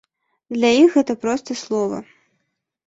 Для іх гэта проста слова.